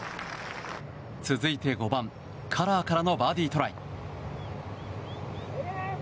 続いて５番、カラーからのバーディートライ。